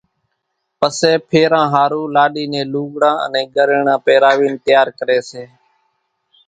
پسيَ ڦيران ۿارُو لاڏِي نين لُوڳڙان انين ڳريڻان پيراوينَ تيار ڪريَ سي۔